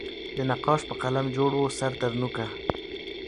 د نقاش په قلم جوړ وو سر ترنوکه